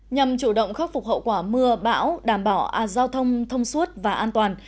nhằm chủ động khắc phục hậu quả mưa bão đảm bảo giao thông thông suốt và an toàn